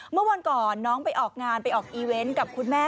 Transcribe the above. เมื่อวันก่อนน้องไปออกงานไปออกอีเวนต์กับคุณแม่